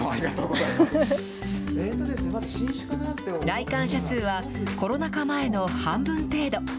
来館者数はコロナ禍前の半分程度。